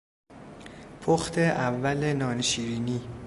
پخت اول نان شیرینی